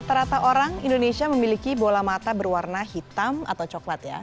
rata rata orang indonesia memiliki bola mata berwarna hitam atau coklat ya